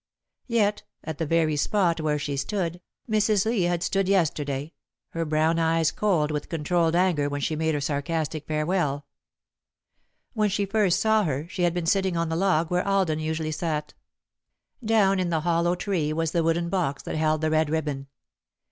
Yet, at the very spot where she stood, Mrs. Lee had stood yesterday, her brown eyes cold with controlled anger when she made her sarcastic farewell. When she first saw her, she had been sitting on the log, where Alden usually sat. Down in the hollow tree was the wooden box that held the red ribbon.